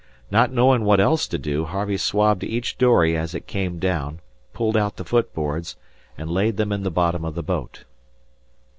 Not knowing what else to do, Harvey swabbed each dory as it came down, pulled out the foot boards, and laid them in the bottom of the boat.